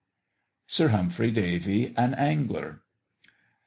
SIR HUMPHRY DAVY AN ANGLER.